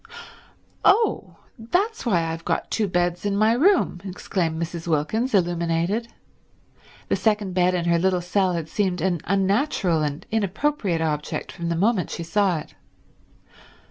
"Oh that's why I've got two beds in my room!" exclaimed Mrs. Wilkins, illuminated; the second bed in her little cell had seemed an unnatural and inappropriate object from the moment she saw it.